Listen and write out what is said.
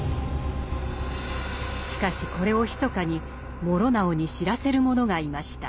しかしこれをひそかに師直に知らせる者がいました。